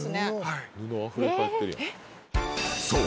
［そう。